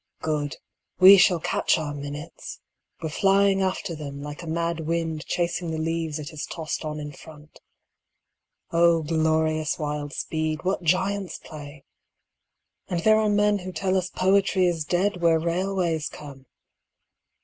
Good! We shall catch our minutes; we're flying after them, like a mad wind chasing the leaves it has tossed on in front. Oh glorious wild speed, what giants' play! and there are men who tell us poetry is dead where railways come!